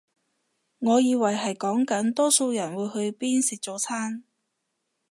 我以為係講緊多數人會去邊食早餐